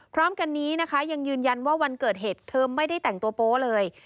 พร้อมกันนี้นะคะยังยืนยันว่าวันเกิดเหตุเธอไม่ได้แต่งตัวโป๊เลย